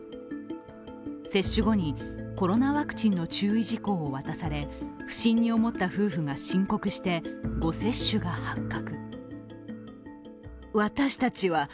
接種後にコロナワクチンの注意事項を渡され、不審に思った夫婦が申告して誤接種が発覚。